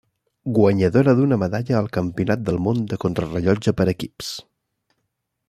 Guanyadora d'una medalla al Campionat del món de contrarellotge per equips.